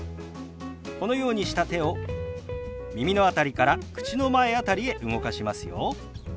このようにした手を耳の辺りから口の前辺りへ動かしますよ。